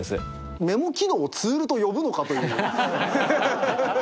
メモ機能をツールと呼ぶのかという。